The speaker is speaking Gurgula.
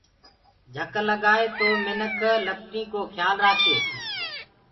جھڪ لگآئي تو منِک لپٽينٚ ڪو کيآل رآکي۔